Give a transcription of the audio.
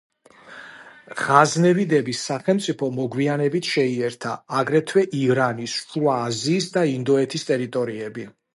ღაზნევიდების სახელმწიფომ მოგვიანებით შეიერთა, აგრეთვე, ირანის, შუა აზიის და ინდოეთის ტერიტორიები.